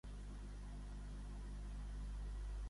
Què va afirmar Homs que no faria?